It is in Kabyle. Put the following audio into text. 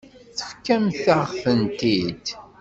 Tefkamt-aɣ-tent-id.